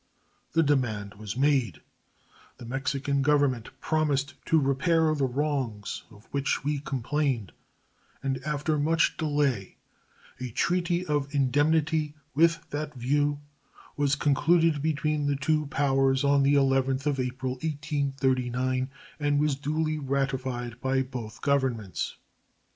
The demand was made; the Mexican Government promised to repair the wrongs of which we complained, and after much delay a treaty of indemnity with that view was concluded between the two powers on the 11th of April, 1839, and was duly ratified by both Governments.